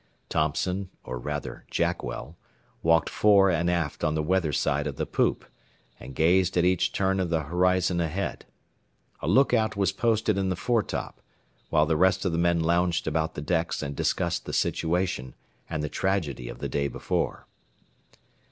Thompson, or rather Jackwell, walked fore and aft on the weather side of the poop, and gazed at each turn at the horizon ahead. A lookout was posted in the foretop, while the rest of the men lounged about the decks and discussed the situation and the tragedy of the day before.